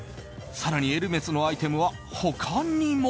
更に、エルメスのアイテムは他にも。